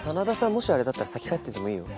もしあれだったら先帰っててもいいよ。